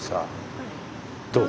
どう？